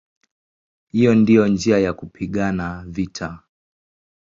Hiyo ndiyo njia ya kupigana vita".